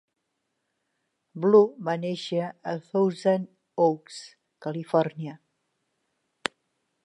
Blue va néixer a Thousand Oaks, Califòrnia.